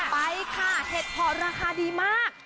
ไปค่ะเห็ดเพาะราคาดีมาก